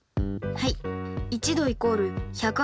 はい。